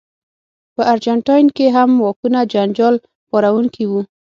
په ارجنټاین کې هم واکونه جنجال پاروونکي وو.